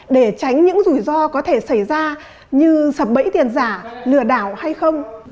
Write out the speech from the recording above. để tránh những rủi ro có thể xảy ra như sập bẫy tiền giả lừa đảo hay không